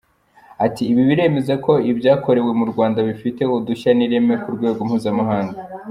Ati “Ibi biremeza ko ibyakorewe mu Rwanda bifite udushya n’ireme ku rwego mpuzamahanga.